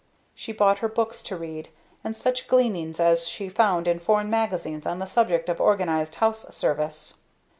She bought her books to read and such gleanings as she found in foreign magazines on the subject of organized house service.